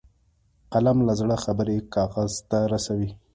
قلم له زړه خبرې کاغذ ته رسوي